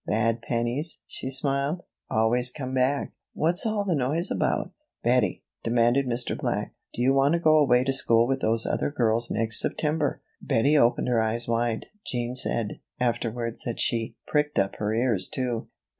"Bad pennies," she smiled, "always come back. What's all the noise about?" "Bettie," demanded Mr. Black, "do you want to go away to school with those other girls next September?" Bettie opened her eyes wide. Jean said afterwards that she "pricked up her ears," too.